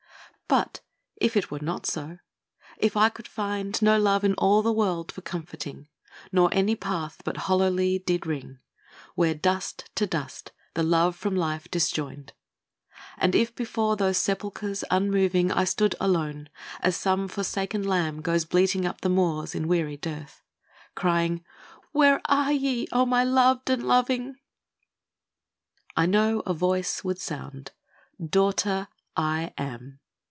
But if it were not so, — if I could find No love in all the world for comforting, Nor any path but hollowly did ring, Where "dust to dust"the love from life disjoined And if before those sepulchres unmoving I stood alone (as some forsaken lamb Goes bleating up the moors in weary dearth), Crying, " Where are ye, O my loved and loving?" I know a Voice would sound, " Daughter, I AM.